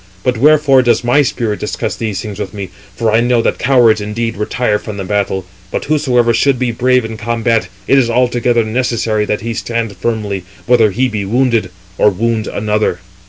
But wherefore does my spirit discuss these things with me? for I know that cowards indeed retire from the battle; but whosoever should be brave in combat, it is altogether necessary that he stand firmly, whether he be wounded, or wound another."